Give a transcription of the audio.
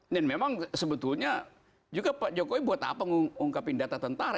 dan memang sebetulnya juga pak jokowi buat apa mengungkapkan data tentara